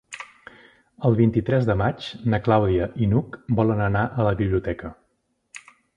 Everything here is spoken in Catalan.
El vint-i-tres de maig na Clàudia i n'Hug volen anar a la biblioteca.